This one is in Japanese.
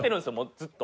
ずっと。